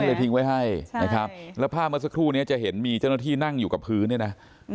เลยทิ้งไว้ให้นะครับแล้วภาพเมื่อสักครู่นี้จะเห็นมีเจ้าหน้าที่นั่งอยู่กับพื้นเนี่ยนะ